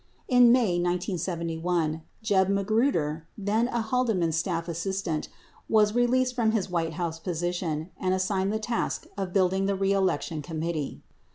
20 In May 1971, Jeb Magruder, then a Haldeman staff assistant, was released from his White House position and assigned the task of building the reelection committee.